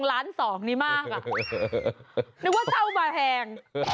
คุยกัน